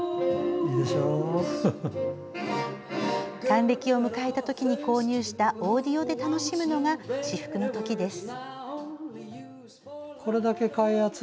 還暦を迎えた時に購入したオーディオで楽しむのが至福の時です。